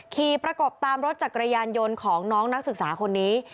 ประกบตามรถจักรยานยนต์ของน้องนักศึกษาคนนี้